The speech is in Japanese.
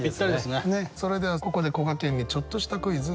それではここでこがけんにちょっとしたクイズ。